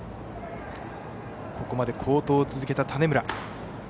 ここまで好投を続けた種村。